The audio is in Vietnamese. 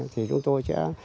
thì chúng tôi sẽ